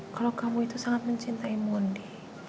kalau kamu itu sangat mencintai mundi